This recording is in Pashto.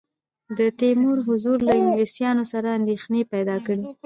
د تیمور حضور له انګلیسیانو سره اندېښنې پیدا کړې.